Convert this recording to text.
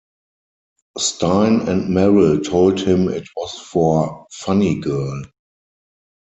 Styne and Merrill told him it was for Funny Girl.